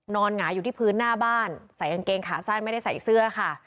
หงายอยู่ที่พื้นหน้าบ้านใส่กางเกงขาสั้นไม่ได้ใส่เสื้อค่ะ